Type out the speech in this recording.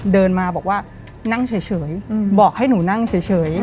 เดินมาบอกว่านั่งเฉยเฉยอืมบอกให้หนูนั่งเฉยเฉยอืม